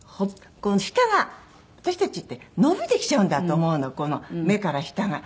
この下が私たちって伸びてきちゃうんだと思うのこの目から下が。